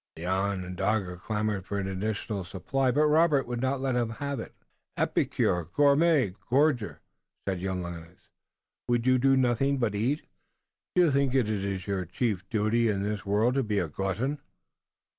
The Onondaga clamored for an additional supply, but Robert would not let him have it. "Epicure! Gourmand! Gorger!" said young Lennox. "Would you do nothing but eat? Do you think it your chief duty in this world to be a glutton?"